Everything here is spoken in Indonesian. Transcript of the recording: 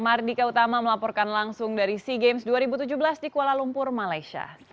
mardika utama melaporkan langsung dari sea games dua ribu tujuh belas di kuala lumpur malaysia